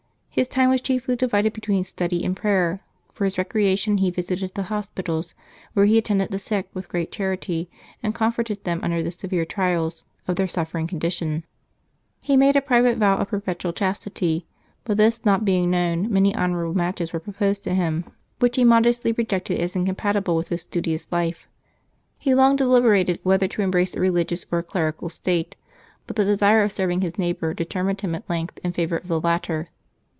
His tim.e was chiefly divided between study and prayer ; for his recreation he visited the hospitals, where he attended the sick with great charity, and comforted them under the severe trials of their suffering condition. He made a private vow of perpetual chastity ; but this not being known, many honor able matches were proposed to him, which he modestly 188 LIVES OF TEE SAINTS [May 22 rejected as incompatible with his studious life. He long deliberated whether to embrace a religious or a clerical state: but the desire of serving his neighbor determined him at length in favor of the latter.